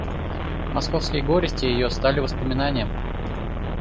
Московские горести ее стали воспоминанием.